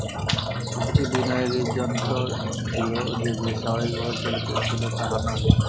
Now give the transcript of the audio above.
এ দিকে বিনয়ের হৃদয়যন্ত্রটিও যে বেশ স্বাভাবিকভাবে চলিতেছিল তাহা নহে।